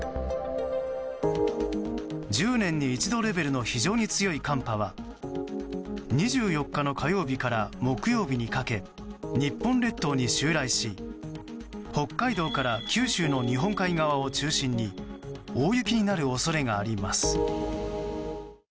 １０年に一度レベルの非常に強い寒波は２４日の火曜日から木曜日にかけ日本列島に襲来し北海道から九州の日本海側を中心に大雪になる恐れがあります。